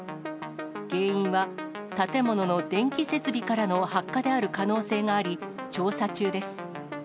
原因は、建物の電気設備からの発火である可能性があり、調査中です。